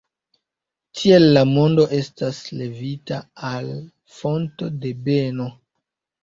Tiel la mondo estas levita al fonto de beno.